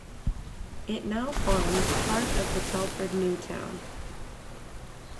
It now forms part of the Telford new town.